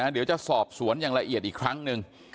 เดี๋ยวจะสอบสวนอย่างละเอียดอีกครั้งหนึ่ง